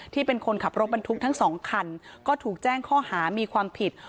ที่เป็นคนขับรถบรรทุกทั้งสองคันก็ถูกแจ้งข้อหามีความผิด